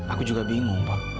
aku juga bingung pak